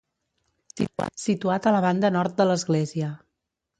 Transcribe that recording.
Situat a la banda nord de l'església.